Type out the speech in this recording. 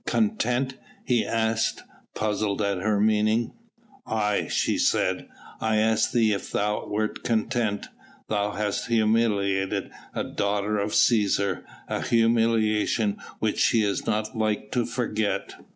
"Content?" he asked, puzzled at her meaning. "Aye!" she said; "I asked thee if thou wert content. Thou hast humiliated a daughter of Cæsar, a humiliation which she is not like to forget."